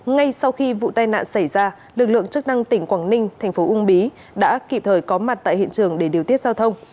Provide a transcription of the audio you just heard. ngay sau khi vụ tai nạn xảy ra lực lượng chức năng tỉnh quảng ninh thành phố uông bí đã kịp thời có mặt tại hiện trường để điều tiết giao thông